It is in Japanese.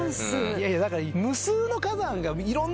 いやいやだから。